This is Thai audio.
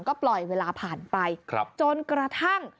ก็ปล่อยเวลาผ่านไปจนกระทั่ง